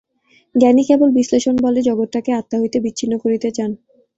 জ্ঞানী কেবল বিশ্লেষণ-বলে জগৎটাকে আত্মা হইতে বিচ্ছিন্ন করিতে চান।